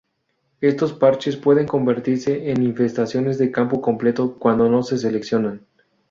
Estos parches pueden convertirse en infestaciones de campo completo cuando no se seleccionan.